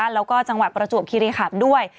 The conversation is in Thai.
แล้วก็จังหวัดประจวบคิริขันด้วย